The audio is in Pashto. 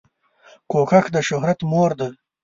کوښښ دشهرت مور ده